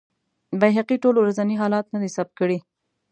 بیهقي ټول ورځني حالات نه دي ثبت کړي.